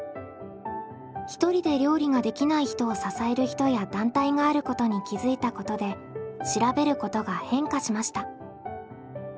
ひとりで料理ができない人を支える人や団体があることに気付いたことで「調べること」が変化しました。